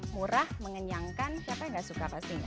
murah mengenyangkan siapa yang gak suka pastinya